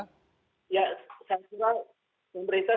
ya saya pikirkan pemerintah